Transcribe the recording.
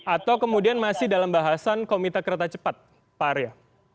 atau kemudian masih dalam bahasan komite kereta cepat pak arya